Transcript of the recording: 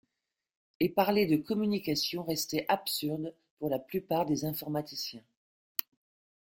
Et parler de communication restait absurde pour la plupart des informaticiens.